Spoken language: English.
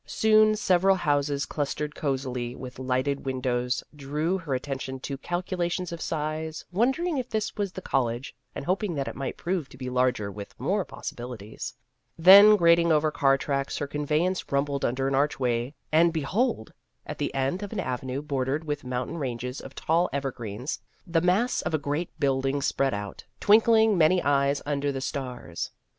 Soon several houses clustered cosily with lighted windows drew her attention to calcula tions of size, wondering if this was the college, and hoping that it might prove to In Search of Experience 5 be larger with more possibilities. Then grating over car tracks her conveyance rumbled under an archway, and behold ! at the end of an avenue bordered with mountain ranges of tall evergreens, the mass of a great building spread out, twinkling many eyes under the stars.